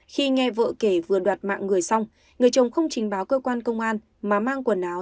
khi nghe vợ kể vừa đoạt mạng người xong người chồng không trình báo cơ quan công an mà mang quần áo